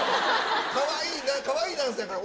かわいいなかわいいダンスやから。